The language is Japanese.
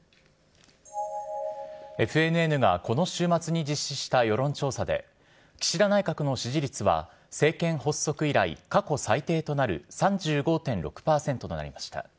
ＦＮＮがこの週末に実施した世論調査で、岸田内閣の支持率は、政権発足以来、過去最低となる３５．６％となりました。